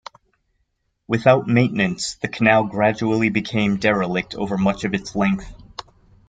Without maintenance, the canal gradually became derelict over much of its length.